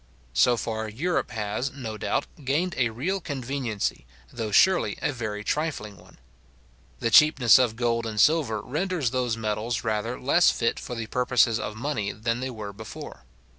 So far Europe has, no doubt, gained a real conveniency, though surely a very trifling one. The cheapness of gold and silver renders those metals rather less fit for the purposes of money than they were before.